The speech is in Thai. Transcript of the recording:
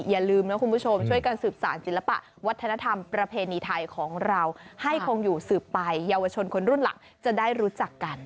อย่าลืมนะคุณผู้ชมช่วยกันสืบสารศิลปะวัฒนธรรมประเพณีไทยของเราให้คงอยู่สืบไปเยาวชนคนรุ่นหลังจะได้รู้จักกัน